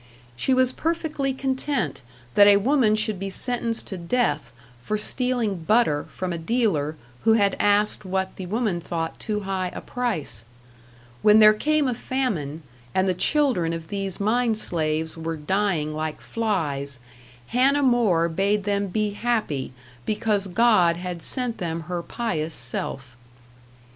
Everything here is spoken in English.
She was perfectly content that a woman should be sentenced to death for stealing butter from a dealer who had asked what the woman thought too high a price. When there came a famine, and the children of these mine slaves were dying like flies, Hannah More bade them be happy because God had sent them her pious self.